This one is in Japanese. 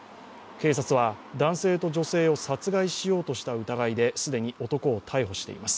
警察は、男性と女性を殺害しようとした疑いで既に男を逮捕しています。